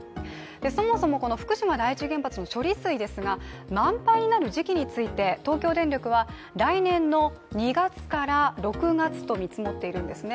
そもそも福島第一原発の処理水ですが満杯になる時期について東京電力は来年の２月から６月と見積もっているんですね。